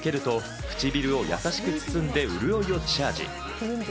寝るときにつけると唇を優しく包んで潤いをチャージ。